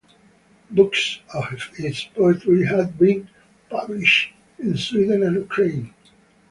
Books of his poetry have been published in Sweden and Ukraine.